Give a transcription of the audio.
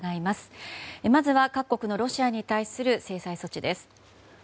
まずは各国のロシアに対する制裁措置です。